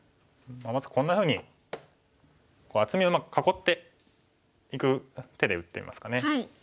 まずこんなふうに厚みをうまく囲っていく手で打ってみますかね。